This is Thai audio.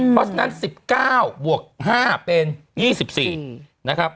เพราะฉะนั้น๑๙บวก๕เป็น๒๔